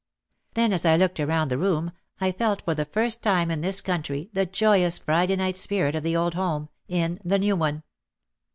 Then as I looked around the room I felt for the first time in this country the joyous Friday night spirit of the old home, in the new one.